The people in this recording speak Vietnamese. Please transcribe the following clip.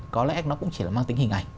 có lẽ nó cũng chỉ là mang tính hình ảnh